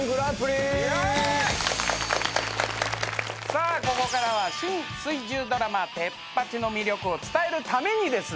さあここからは新水１０ドラマ『テッパチ！』の魅力を伝えるためにですね